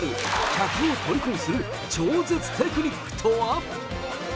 客をとりこにする超絶テクニックとは？